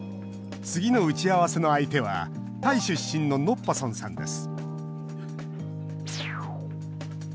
次の打ち合わせの相手はタイ出身のノッパソンさんです